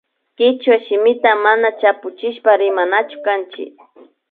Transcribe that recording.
Kichwa shimitaka mana chapuchishpa rimanachu kanchik